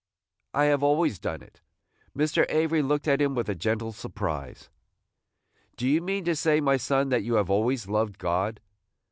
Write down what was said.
"I have always done it." Mr. Avery looked at him with a gentle surprise. "Do you mean to say, my son, that you have always loved God?"